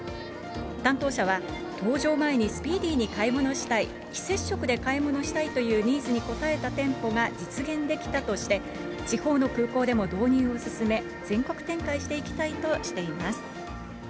担当者は、搭乗前にスピーディーに買い物したい、非接触で買い物したいというニーズに応えた店舗が実現できたとして、地方の空港でも導入を進め、全国展開していきたいとしています。